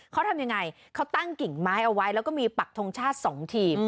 เขาทำยังไงเขาตั้งกิ่งไม้เอาไว้แล้วก็มีปักทงชาติ๒ทีม